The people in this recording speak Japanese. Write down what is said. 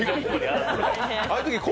ああいうとき昴